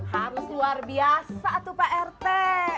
harus luar biasa tuh pak erte